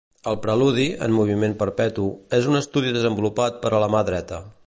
El preludi, en moviment perpetu, és un estudi desenvolupat per a la mà dreta.